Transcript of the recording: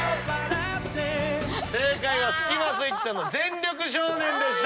正解はスキマスイッチさんの『全力少年』でした。